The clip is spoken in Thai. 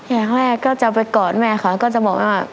อย่างแรกก็จะไปกอดแม่ค่ะก็จะบอกว่า